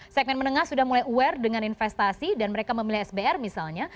segmen menengah sudah mulai aware dengan investasi dan mereka memilih sbr misalnya